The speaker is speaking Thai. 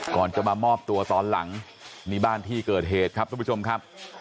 ก่อนจะมามอบตัวตอนหลังนี่บ้านที่เกิดเหตุครับทุกผู้ชมครับ